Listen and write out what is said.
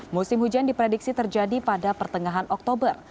musim hujan diprediksi terjadi pada pertengahan oktober